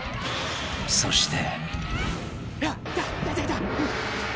［そして］